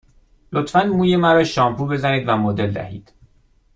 لطفاً موی مرا شامپو بزنید و مدل دهید.